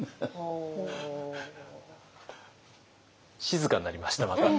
静かになりましたまた。